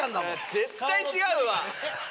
絶対違うわ！